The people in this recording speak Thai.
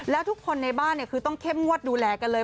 แล้วทุกคนในบ้านคือต้องเข้มงวดดูแลกันเลย